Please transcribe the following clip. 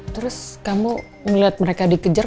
terus kamu melihat mereka dikejar